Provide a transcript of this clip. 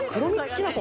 きなこ